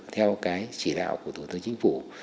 theo cái chỉ đạo của thủ tướng chính phủ